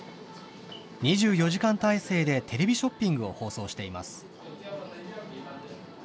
２４時間態勢でテレビショッピングを放送しています。